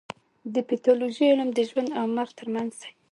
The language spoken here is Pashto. د پیتالوژي علم د ژوند او مرګ ترمنځ دی.